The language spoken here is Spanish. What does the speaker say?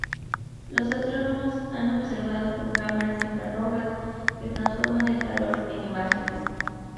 Los astrónomos han observado con cámaras infrarrojas que transforman el calor en imágenes.